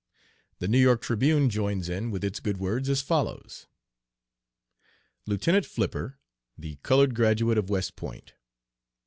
The New York Tribune joins in with its good words as follows: LIEUTENANT FLIPPER, THE COLORED GRADUATE OF WEST POINT.